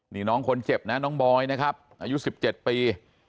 นี่น้องคนเจ็บนะน้องบอยนะครับอายุ๑๗ปี